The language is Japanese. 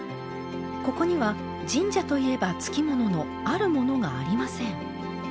ここには神社といえばつきもののあるものがありません。